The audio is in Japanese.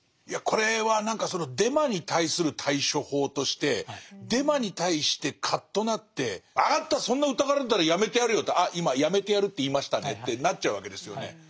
いやこれは何かそのデマに対する対処法としてデマに対してカッとなって「分かったそんな疑われるんだったらやめてやるよ」って「あ今やめてやるって言いましたね」ってなっちゃうわけですよね。